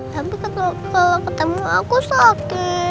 tapi kalau ketemu sama aku sakit